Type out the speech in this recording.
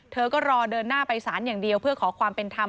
เธอก็รอเดินหน้าไปสารอย่างเดียวเพื่อขอความเป็นธรรม